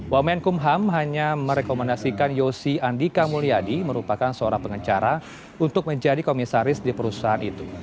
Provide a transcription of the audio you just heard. wamen kumham hanya merekomendasikan yosi andika mulyadi merupakan seorang pengecara untuk menjadi komisaris di perusahaan itu